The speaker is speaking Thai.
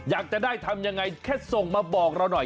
อยากจะได้ทำยังไงแค่ส่งมาบอกเราหน่อย